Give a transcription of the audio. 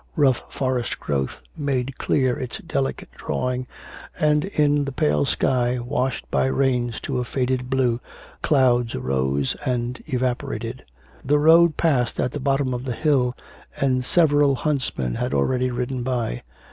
Rough forest growth made clear its delicate drawing, and in the pale sky, washed by rains to a faded blue, clouds arose and evaporated. The road passed at the bottom of the hill and several huntsmen had already ridden by.